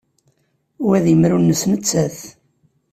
Wa d imru-nnes nettat.